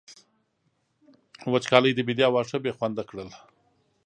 وچکالۍ د بېديا واښه بې خونده کړل.